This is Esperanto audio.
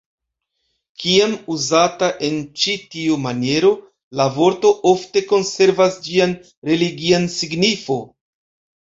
Kiam uzata en ĉi tio maniero la vorto ofte konservas ĝian religian signifo.